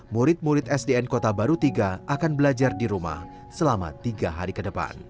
murid murid sdn kota baru tiga akan belajar di rumah selama tiga hari ke depan